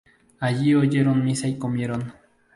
Allí oyeron misa y comieron.